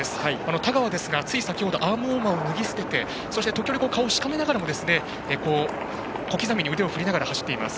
田川ですが、先程アームウォーマーを脱ぎ捨てて時折、顔をしかめながらも小刻みに腕を振りながら走っています。